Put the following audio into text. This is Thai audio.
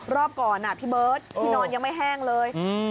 รอบก่อนน่ะพี่เบิร์ตโอ้พี่นอนยังไม่แห้งเลยอืม